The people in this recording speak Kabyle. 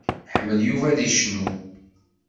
Iḥemmel Yuba ad yecnu.